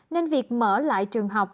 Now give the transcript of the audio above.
nên việc mở lại trường học